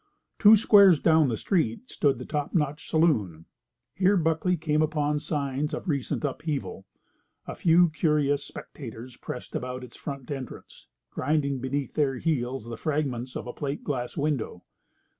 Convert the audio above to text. Two squares down the street stood the Top Notch Saloon. Here Buckley came upon signs of recent upheaval. A few curious spectators pressed about its front entrance, grinding beneath their heels the fragments of a plate glass window.